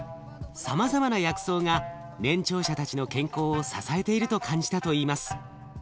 さまざまな薬草が年長者たちの健康を支えていると感じたといいます。